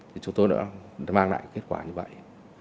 thì chúng tôi đã mang lại kết quả như vậy